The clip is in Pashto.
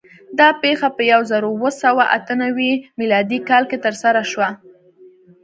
دا پېښه په یو زرو اوه سوه اته نوي م کال کې ترسره شوه.